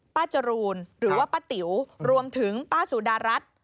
จรูนหรือว่าป้าติ๋วรวมถึงป้าสุดารัฐ